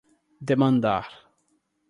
demandar